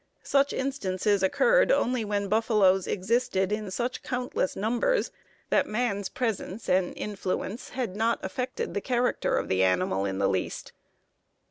Such instances occurred only when buffaloes existed in such countless numbers that man's presence and influence had not affected the character of the animal in the least.